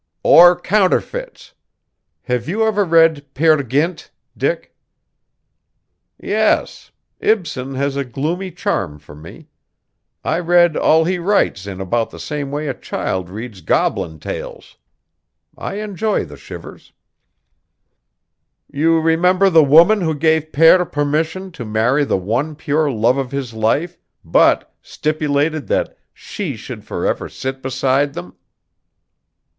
"Or counterfeits. Have you ever read 'Peer Gynt,' Dick?" "Yes. Ibsen has a gloomy charm for me. I read all he writes in about the same way a child reads goblin tales. I enjoy the shivers." "You remember the woman who gave Peer permission to marry the one pure love of his life but stipulated that she should forever sit beside them?"